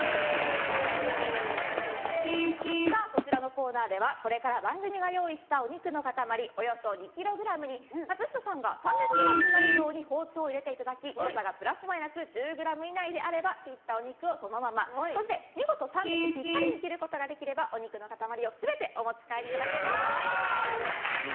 こちらのコーナーではこれから番組が用意したお肉の塊およそ２ｋｇに松下さんが３００ｇになるように包丁を入れていただき誤差がプラスマイナス１０ｇ以内であれば切ったお肉をそのままそして見事３００ｇピッタリに切ることができればお肉の塊を全てお持ち帰りいただけます。